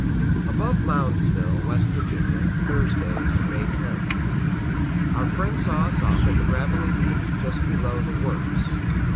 Above Moundsville, W. Va., Thursday, May 10th. Our friends saw us off at the gravelly beach just below the "works."